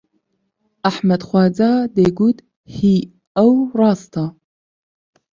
ئەحمەد خواجا دەیگوت هی ئەو ڕاستە